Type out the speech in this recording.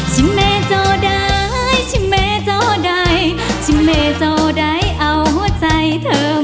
ชิเมเจ้าใดชิเมเจ้าใดชิเมเจ้าใดเอาใจเธอมา